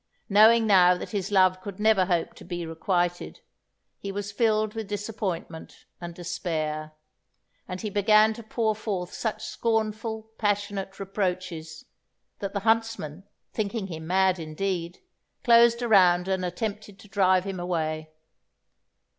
Knowing now that his love could never hope to be requited, he was filled with disappointment and despair, and he began to pour forth such scornful, passionate reproaches, that the huntsmen, thinking him mad indeed, closed around and attempted to drive him away.